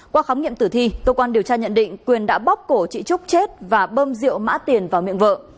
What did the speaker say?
qua khám nghiệm tử thi cơ quan điều tra nhận định quyền đã bóc cổ chị trúc chết và bơm rượu mã tiền vào miệng vợ